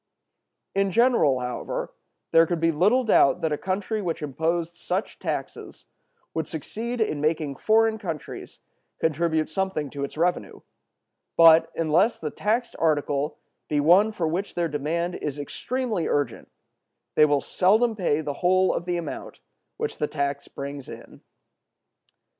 In general, however, there could be little doubt that a country which imposed such taxes would succeed in making foreign countries contribute something to its revenue; but, unless the taxed article be one for which their demand is extremely urgent, they will seldom pay the whole of the amount which the tax brings in.